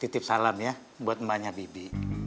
titip salam ya buat mbaknya bibik